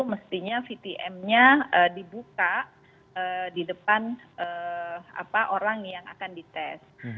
mestinya vtm nya dibuka di depan orang yang akan dites